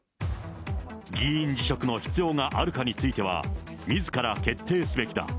議員辞職の必要があるかについては、みずから決定すべきだ。